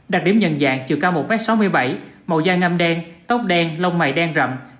đặc điểm nhận dạng chiều cao một m sáu mươi bảy màu da ngâm đen tóc đen lông mày đen rầm